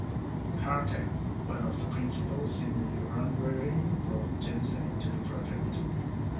Harteck, one of the principals in the "Uranverein", brought Jensen into the project.